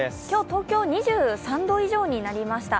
東京、２３度以上になりました